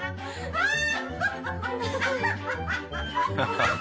ああ。